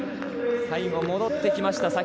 最後、戻ってきました